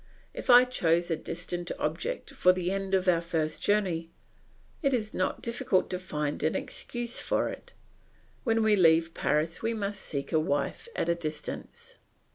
If I chose a distant object for the end of our first journey, it is not difficult to find an excuse for it; when we leave Paris we must seek a wife at a distance.